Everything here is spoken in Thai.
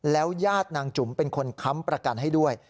แล้วญาตินางจุ๋มเป็นคนค้ำประกันให้ด้วย